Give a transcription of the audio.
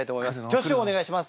挙手をお願いします。